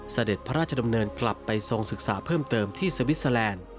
เสด็จพระราชดำเนินกลับไปทรงศึกษาเพิ่มเติมที่สวิสเตอร์แลนด์